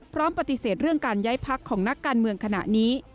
พร้อมปฏิเสธเรื่องการย้ายพักของนักการเมืองขณะนี้